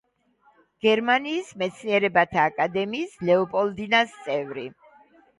გერმანიის მეცნიერებათა აკადემიის „ლეოპოლდინას“ წევრი.